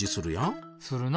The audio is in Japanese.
するな。